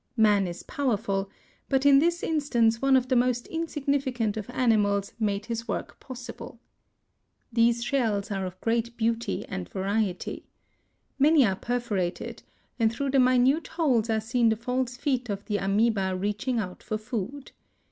Man is powerful, but in this instance one of the most insignificant of animals made his work possible. These shells are of great beauty and variety (Fig. 8). Many are perforated, and through the minute holes are seen the false feet of the Amœba reaching out for food.